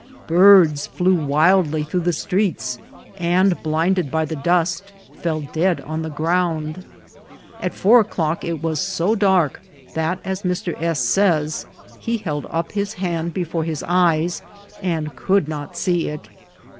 Birds flew wildly through the streets, and, blinded by the dust, fell dead on the ground. At four o'clock it was so dark that, as Mr. S. says, he held up his hand before his eyes, and could not see it.